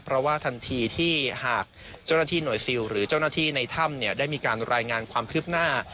เพราะว่าทันทีที่หากเจ้าหน้าที่หน่วยซิลหรือเจ้าหน้าที่ในถ้ำได้มีการรายงานความคืบหน้า